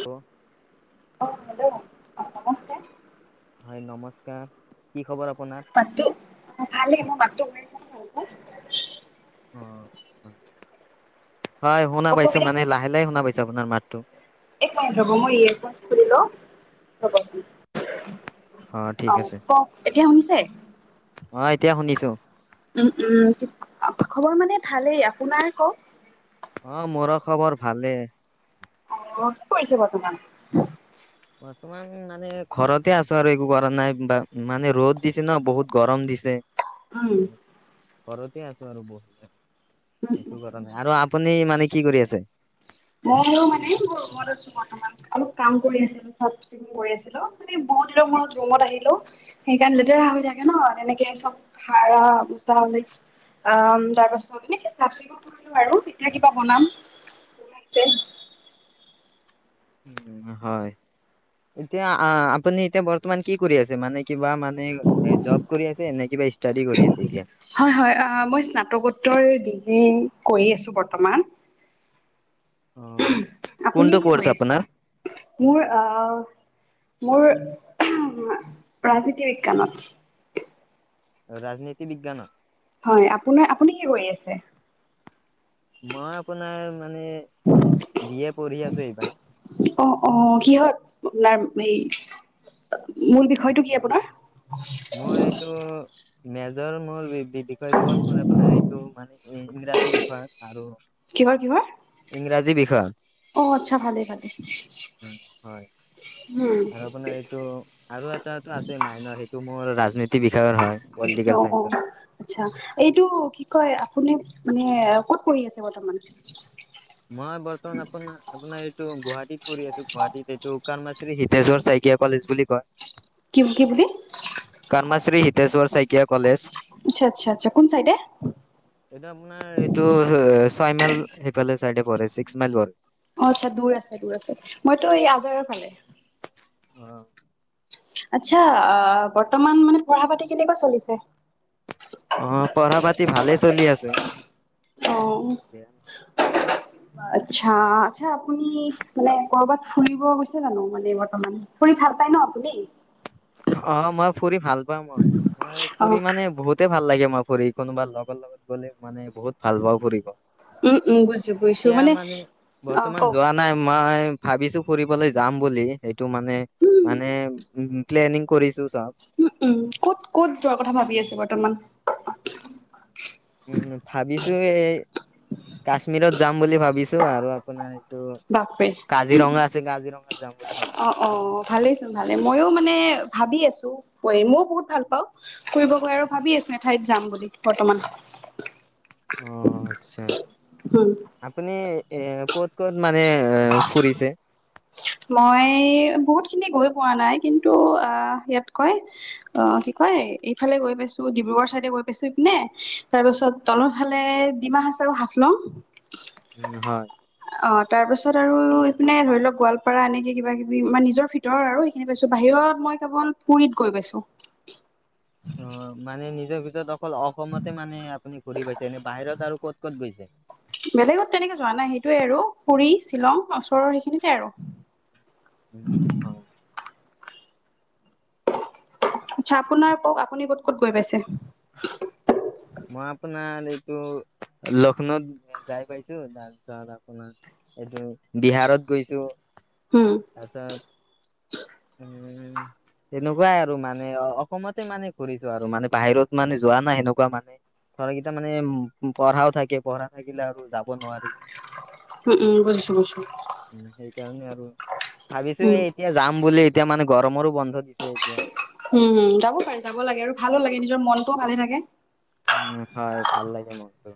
ত [unintelligible] অ' hello অ' নমস্কাৰ। হয় নমস্কাৰ। কি খবৰ আপোনাৰ? মাতটো, অ' ভালেই মোৰ মাতটো ওলাইছে সৰুকৈ। অ' হয় শুনা পাইছো, অসুবিধা মানে লাহে লাহে শুনা পাইছো আপোনাৰ মাতটো? এক মিনিট ৰ'ব, মই ইয়ে খন খুলি লওঁ ৰ'ব। অ' ঠিক আছে, কওক এতিয়া শুনিছে অ' এতিয়া শুনিছো। উম, উম। খবৰ মানে ভালেই, আপোনাৰ কওঁক? অ' মোৰো খবৰ ভালে। অ', কি কৰিছে বৰ্তমান? বৰ্তমান মানে ঘৰতে আছো আৰু একো কৰা নাই বা মানে ৰ'দ দিছে ন বহুত গৰম দিছে। উম ঘৰতে আছো আৰু, বহ উম উম সেইটো কাৰনে, বুজিছো আৰু আপুনি মানে কি কৰি আছে? মইও মানে মোৰ ৰুমত আছো বৰ্তমান, অলপ কাম কৰি আছো। কৰি আছিলো, মানে বহুত দিনৰ মূৰত ৰুমত আহিলো। সেইকাৰণে লেতেৰা হৈ থাকে ন। তেনেকে চব ভাড়া বুচা অ, তাৰ পাছত এনেকে চাবচিখুন কৰিলো। আৰু পিঠা কিবা বনাম। [unintelligible] উম, হয়। এতিয়া আহ, আপুনি এতিয়া বৰ্তমান কি কৰি আছে, মানে কিবা মানে জব কৰি আছে নে কিবা? ষ্টাডি কৰি আছে এতিয়া? হয়- হয় মই স্নাতকোত্তৰ ডিগ্ৰী কৰি আছোঁ বৰ্তমান। অ আপুনি কোনটো কি কৰ্চ কৰি আছে? আপোনাৰ? মোৰ আহ, মোৰ ৰাজনীতি বিজ্ঞানত। ৰাজনীতি বিজ্ঞানত। হয়, আপোনাৰ আপুনি কি কৰি আছে? মই আপোনাৰ মানে, বি এ পঢ়ি আছো, এইবাৰ। অ, অ, কি হয়, আপোনাৰ এই মূল বিষয়টো কি আপোনাৰ? মোৰ এইটো। মেজৰ মোৰ বিষয়টো হ'ল, মোৰ আপোনাৰ এইটো মানে ইংৰাজী বিষয় আৰু কিহৰ- কিহৰ? ইংৰাজী বিষয়ত। অ, আতচ্ছা ভালেই- ভালে। হয় আৰু উম আপোনাৰ এইটো আৰু এটাটো আছে মাইনৰ সেইটো মোৰ ৰাজনীতিৰ বিষয়ৰ হয়, পলিটিকেল চাইঞ্চত। আতচ্ছা, এইটো কি কয়, আপুনি মানে ক'ত পঢ়ি আছে বৰ্তমান? মই বৰ্তমান আপোনাৰ- আপোনাৰ এইটো গুৱাহাটীত। পঢ়ি আছো গুৱাহাটীত। এইটো কৰ্মাশ্ৰী হিতেশ্বৰ শইকীয়া কলেজ বুলি কয়। কি, কি বুলি? কৰ্মাশ্ৰী হিতেশ্বৰ শইকীয়া কলেজ। আতচ্ছা, আতচ্ছা, আতচ্ছা, কোন চাইডে? এইটো আপোনাৰ এইটো ছয় মাইল সেইফালে চাইড পৰে, ছিক্স মাইল পৰে। অ, আতচ্ছা দূৰ আছে, দূৰ আছে। মইতো এই আজাৰৰ ফালে। অ। আতচ্ছা, আহ, বৰ্তমান মানে পঢ়া- পাতি কেনেকুৱা চলিছে? অ, পঢ়া- পাতি ভালে চলি আছে। অ। আতচ্ছা, আতচ্ছা, আপুনি মানে কৰবাত ফুৰিব গৈছে জানো, মানে বৰ্তমান? ফুৰি ভাল পায় ন, আপুনি? অ, মই ফুৰি ভাল পাওঁ। মই- মই অ ফুৰি মানে বহুত ভাল লাগে মই ফুৰি। কোনোবা লগৰ লগত গ'লে মানে বহুত ভাল পাওঁ ফুৰিব। উম, উম, বুজিছো- বুজিছো মানে অ, বৰ্তমান কওক? যোৱা নাই- মই ভাবিছো ফুৰিবলৈ যাম বুলি। সেইটো মানে- উম মানে উম। প্লেনিং কৰিছো যাম। উম, উম, ক'ত- ক'ত যোৱাৰ কথা ভাবি আছে বৰ্তমান? উম, ভাবিছো এই কাশ্মীৰত যাম বুলি ভাবিছো। আৰু আপোনাৰ? বাপৰে। কাজিৰঙা আছে, কাজিৰঙাত যাম বুলি ভাবিছো। অ, ভালেচোন ভালে। ময়ো মানে ভাবি আছো, মইও বহুত ভাল পাওঁ। ফুৰিব গৈ আৰু ভাবি আছো। এঠাইত যাম বুলি বৰ্তমান। অ, আতচ্ছা। উম। আপুনি এ, ক'ত, ক'ত মানে এ, ফুৰিছে? মই বহুত খিনি গৈ পোৱা নাই, কিন্তু আহ ইয়াত কৈয় অ, কি কয়, এইফালে গৈ পাইছো ডিব্ৰুগড় চাইডে গৈ পাইছো, ইপিনে তাৰ পাছত তলৰ ফালে ডিমা হাছাও, হাফলং। উম, হয়। অ, তাৰ পিছত আৰু এইপিনে ধৰি লওক গোৱালপাৰা এনেকে কিবা, কিবি মানে নিজৰ ভিতৰৰ আৰু সেইখিনি পাইছোঁ বাহিৰত মই কেৱল পুৰীত গৈ পাইছোঁ। অ, মানে নিজৰ ভিতৰত অকল অসমতে, মানে আপুনি ঘূৰি পাইছে এনে বাহিৰত আৰু ক'ত ক'ত গৈছে? বেলেগত তেনেকে যোৱা নাই, সেইটোৱে আৰু পুৰী, শ্বিলং, ওচৰৰ সেইখিনিতে আৰু। উম, হয়। আচ্ছা, আপোনাৰ ক'ওক, আপুনি ক'ত ক'ত গৈ পাইছে? [unintelligible] মই আপোনাৰ এইটো, লক্ষ্ণৌত যাই পাইছো তোমিৰ এইটো বিহাৰত গৈছো। উম, তাৰ পিছত উম, সেনেকুৱাই আৰু মানে অ, অসমতে মানে ঘূৰিছো আৰু মানে বাহিৰত মানে যোৱা নাই, সেনেকুৱা মানে। [inaudible] কেইটা মানে, পঢ়াও থাকে, পঢ়া থাকিলে, আৰু যাব নোৱাৰি। উম, উম, বুজিছো বুজিছো। উম, সেইকাৰণে আৰু ভাবিছো এই উম এতিয়া যাম বুলি, এতিয়া মানে গৰমৰো বন্ধ দিছে এতিয়া। উম, উম, যাব পাৰে যাব লাগে আৰু ভালো লাগে, নিজৰ মনটোও ভালে থাকে। উম, হয় ভাল লাগে মনটো।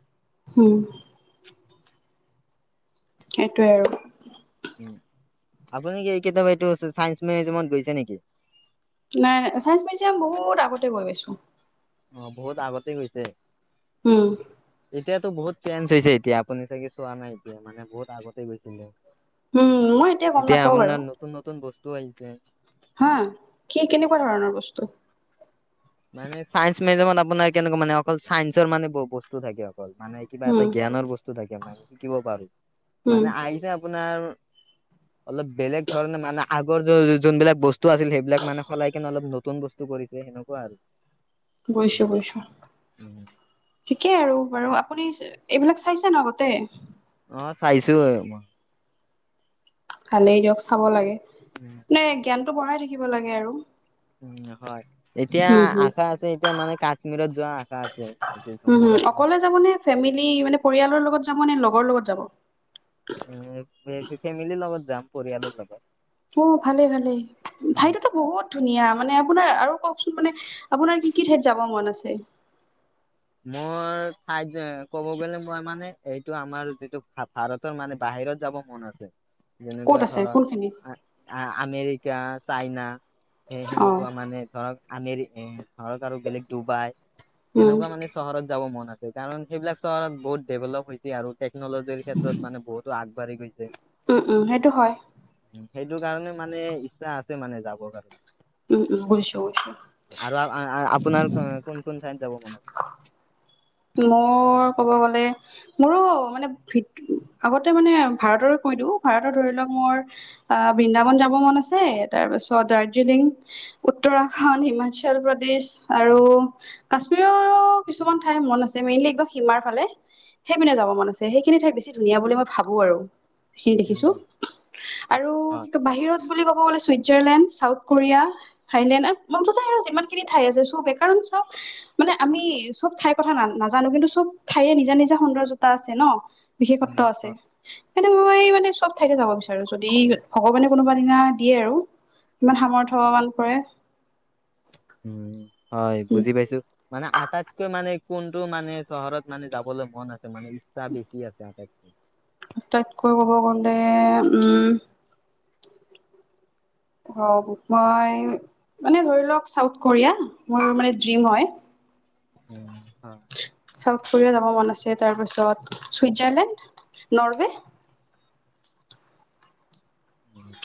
উম, সেইটোৱে আৰু। উম, আপুনি কি কেতিয়াবা, এইটো চাইস মিউজিয়ামত গৈছে নেকি? নাই, ছায়েন্স মিউজিয়াম বহুত আগতে গৈ আাইছোঁ। অ, বহুত আগতে, গৈছে। উম, এতিয়াতো বহুত চেঞ্জ হৈছে, এতিয়া আপুনি চাগে চোৱা, নাই এতিয়া মানে বহুত আগতেই গৈছিলে। উম মই গম এতিয়া নাপাও বাৰু আপোনাৰ নতুন, নতুন, বস্তুও আহিছে। হ, কি কেনেকুৱা ধৰণৰ বস্তু? মানে চাইন্স মেজিয়ামত আপোনাৰ কেনেকুৱা মানে অকল, চাইন্সৰ মানে ব-বস্তু থাকে অকল, মানে। কিবা এটা উম জ্ঞানৰ বস্তু থাকে, মান শিকিব পাৰো, উম মানে আহিছে আপোনাৰ অলপ বেলেগ ধৰণে মানে আগৰ য, যোনবিলাক বস্তু আছিল সেইবিলাক মানে সলাই কিনে অলপ নতুন বস্তু কৰিছে। সেনেকুৱা আৰু। গৈছো, গৈছো। ঠিকেই আৰু বাৰু আপুনি এইবিলাক চাইছে ন, আগতে? অ, চাইছো। ভালেই দিয়ক, চাব লাগে। উম, মানে, জ্ঞানটো বঢ়াই থাকিব লাগে আৰু। উম, হয়। এতিয়া হুম হুম আশা আছে এতিয়া মানে, কাশ্মীৰত যোৱা। হুম হুম [inaudible] অকলে যাব নে ফেমিলি, মানে পৰিয়ালৰ লগত যাব নে, লগৰ লগত যাব? [unintelligible] ফেমেলী লগত যাম পৰিয়ালৰ লগত। ও, ভালে ভালে উম, ঠাইতোতো বহুত ধুনীয়া মানে আপোনাৰ আৰু কওঁকচোন মানে আপোনাৰ কি কি ঠাইত যাব মন আছে। মোৰ ঠাইত যে ক'ব গ'লে মই মানে এইটো আমাৰ যিটো ভা-ভাৰ [inaudible] মানে বাহিৰত যাব মন আছে। ক'ত আছে কোনখিনি? আ-আমেৰিকা চাইনা সে- অ সেনেকুৱা মানে ধৰক [unintelligible] ধৰক আৰু বেলেগ ডুবাই উম সেনেকুৱা মানে চহৰত যাব মন আছে কাৰণ সেইবিলাক চহৰত বহুত ডেভেলভ হৈছে আৰু টেকন'লজিৰ ক্ষেত্ৰত মানে বহুতো আগবাঢ়ি গৈছে। উম, উম সেইটো হয়। উম সেইটো কাৰণে মানে ইচ্ছা আছে মানে যাবৰ কাৰণে। উম, উম বুইছো [unintelligible] আৰু আ- আপোনাৰ কোন কোন ঠাইত যাব [inaudible] মোৰ ক'ব গ'লে মোৰো মানে ভি আগতে মানে ভাৰতৰে কৈ দিওঁ ভাৰতৰ ধৰি লওক মোৰ আহ, বৃন্দাবন যাব মন আছে, তাৰপিছত দাৰ্জিলিং। উত্তৰা [unintelligible] হিমাচল প্ৰদেশ আৰু কাশ্মীৰৰো কিছুমান ঠাই মন আছে মেইনলি একদম সিমাৰ ফালে সেইপিনে যাব মন আছে, সেইখিনি ঠাই বেছি ধুনীয়া বুলি মই ভাবো আৰু। সি দেখিছোঁ উম, আৰু হয় [unintelligible] বাহিৰত বুলি ক'ব গ'লে ছুইজাৰলেণ্ড চাউথ কোৰিয়া থাইলেণ্ড [unintelligible] আৰু যিমান খিনি ঠাই আছে চবে কাৰণ চব মানে আমি চব ঠাই কথা না-নাজানো কিন্তু চব ঠাইয়ে নিজা-নিজা সৌন্দৰ্যতা আছে ন, উম, বিশেষত্ব হয় আছে। সেইটো মই মানে চব ঠাইতে যাব বিচাৰোঁ যদি ভগৱানে কোনোবা দিনা দিয়ে আৰু। ইমান [unintelligible] কৰে। উম। হয় বুজি পাইছো, মানে আটাইতকৈ মানে কোনটো মানে চহৰত মানে যাবলৈ মন [inaudible] [inaudible] মানে ইচ্ছা বছি আছে [inaudible] আটাইতকৈ ক'ব গ'লে উম, [unintelligible] ধৰি লওক চাউথ কোৰিয়া মোৰ মানে ড্ৰিম হয়। উম, [unintelligible] চাউথ কোৰিয়া যাব মন আছে, তাৰপিছত চুইজাৰলেণ্ড নৰৱে।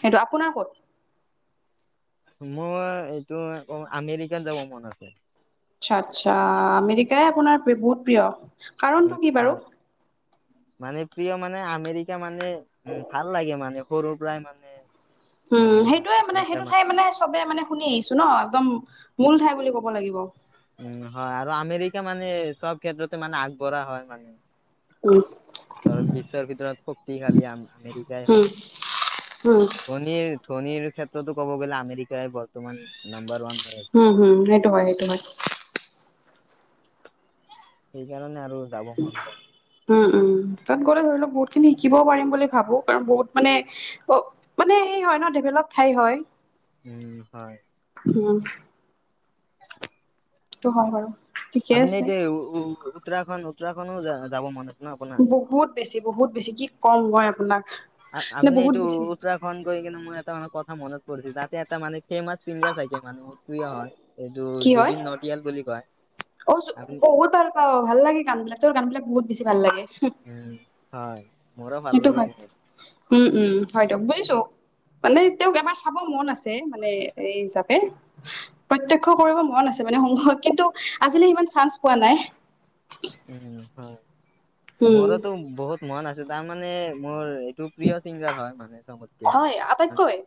সেইটো আপোনাৰ ক'ত? মোৰ এইটো অ', আমেৰিকান যাব মন আছে। আচ্ছা! আচ্ছা! আমেৰিকাই আপোনাৰ [inaudible] বহুত প্ৰিয়? কাৰণটো উম, কি বাৰু হয়। মানে প্ৰিয় মানে আমেৰিকা মানে উম, ভাল লাগে মানে, সৰুৰ পৰাই মানে উম, মানে সেইটোয়ে মানে আমেৰিকা সেইটো ঠাই মানে চবে মানে শুনি আহিছো ন, একদম মূল ঠাই বুলি ক'ব লাগিব। উম, হয় আৰু আমেৰিকা মানে সব ক্ষেত্ৰতে মানে আগবঢ়া হয় মানে উম ধৰক বিশ্বৰ ভিতৰত শক্তিশালী আম- আমেৰিকাই হয়। উম উম ধনীৰ ধনীৰ ক্ষেত্ৰতো ক'ব গ'লে আমেৰিকাই বৰ্তমান নাম্বাৰ ওৱান। হৈ আছে হুম-হুম সেইটো হয়, সেইটো হয়। সেইকাৰণে আৰু যাব মন যায়। উম উম, তাত গ'লে ধৰি লওক বহুত খিনি শিকিবও পাৰিম বুলি ভাবো। কাৰণ বহুত মানে অ' মানে এই হয় ন ডেভেলপ ঠাই হয়। উম, হয়। উম। সেইটো হয় বাৰু। ঠিকে আছে আপুনি [unintelligible] বহুত বেছি, বহুত বেছি, কি কম মই আপোনাক। মানে আপুনি বহুত এইটো বেছি উত্তৰা খণ্ড গৈ কিনে মানে মোৰ এটা কথা মনত পৰিছে, তাতে এটা মান ফেমাচ চিংগাৰ থাকে মানে মোৰ প্ৰিয় হয়। এইটো কি হয় জুবিন নতিয়াল বুলি কয়। অ' জু আপুনি বহুত ভাল পাও, ভাল লাগে গান বিলাক। তেওঁৰ গান বিলাক বহুত বেছি ভাল লাগে। উম, হয়। মোৰো ভাল সেইটো লাগে হয়। বহুত উম উম, হয় দিয়ক বুজিছো। মানে তেওঁক এবাৰ চাব মন আছে। ছে মানে [unintelligible] প্ৰত্যক্ষ কৰিব মন আছে মানে সন্মুখত। কিন্তু, আজিলৈ ইমান চান্স পোৱা নাই। উম, হয়। উম মোৰ এইটো বহুত মন আছে তাৰ মানে মোৰ এইটো প্ৰিয় চিংগাৰ হয়। মানে [unintelligible] হয়, আটাইতকৈ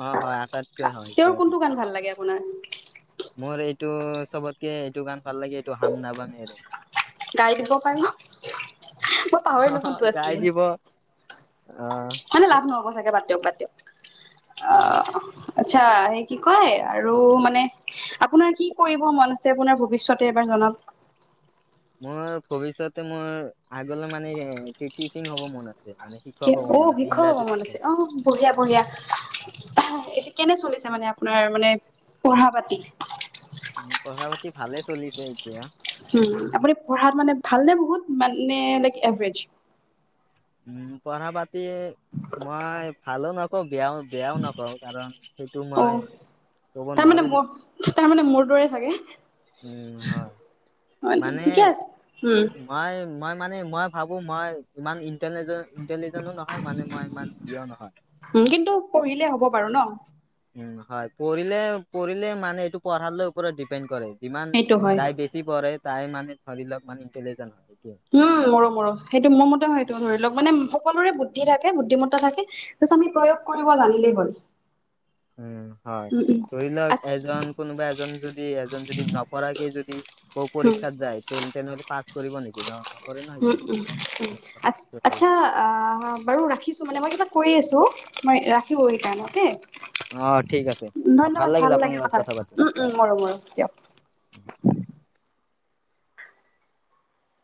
অ', হয় আটাইতকৈ হয় প্ৰিয় তেওঁৰ কোনটো গান ভাল লাগে আপোনাৰ? মোৰ এইটো চবতকে এইটো গান ভাল লাগে এইটো হাম নাবামি। গাই দিব পাৰি নে? মই পাহৰিলো কোনটো গাই আছিলে? দিব অ', মানে লাভ নহ'ব চাগে বাদ দিয়ক, বাদ দিয়ক। উম। অ' আচ্ছা, সেই কি কয় আৰু মানে আপোনাৰ কি কৰিব মন আছে আপোনাৰ ভৱিষ্যতে এবাৰ জনাওক। মোৰ ভৱিষ্যতে মোৰ আগলৈ মানে টিচিং হ'ব মন আ ছে মানে শিক্ষক হ'ব অ' মন আছে শিক্ষক হ'ব ইংৰাজী মন আছে শিক্ষক। অ' বঢ়িয়া বঢ়িয়া, কেনে চলিছে মানে আপোনাৰ মানে পঢ়া-পাতি? পঢ়া পাতি ভালে চলিছে এতিয়া। উম, আপুনি পঢ়াত মানে ভালনে বহুত মানে লাইক এভাৰেজ। উম, পঢ়া পাতি মই ভালো নকও বেয়াও বেয়াও নকওঁ, কাৰণ সেইটো মই ক'ব নোৱাৰো। তাৰ মানে মোৰ দৰে চাগে, হয় নেকি? মানে ঠিকে আছে। উম! মই মই মানে মই ভাবোঁ মই ইমান ইণ্টেলিজে ইণ্টেলিজেনো নহয়, মানে মই ইমান প্ৰিয় নহয়। উম, কিন্তু পঢ়িলে হ'ব বাৰু ন। উম হয়, পঢ়িলে পঢ়িলে মানে এইটো পঢ়াৰলৈ ওপৰত ডিপেণ্ড কৰে। যিমান সেইটো হয়। তাই বেছি পঢ়ে, তাই মানে ধৰি লওক মানে ইণ্টেলিজেন্ট। উম, মোৰো মোৰো সেইটো মোৰ মতেও সেইটো ধৰি লওক মানে সকলোৰে বুদ্ধি থাকে, বুদ্ধিমত্তা থাকে। তাৰপিছত আমি প্ৰয়োগ কৰিব জানিলেই হ'ল। উম, হয়। উম উম ধৰি লওক আচ্ছা এজন কোনোবা এজন যদি এজন যদি নপঢ়াকে যদি ক পৰীক্ষাত উম যায় তে-তেনেহ'লে পাছ কৰিব নেকি নহ। উম, উম, আ-আচ্ছা। অ' বাৰু ৰাখিছো, মানে মই কিবা কৰি আছো মই ৰাখিব অ ঠিক আছে [unintelligible] ধন্যবাদ ভাল লাগে কথা পাতি। উম উম মোৰো মোৰো দিয়ক।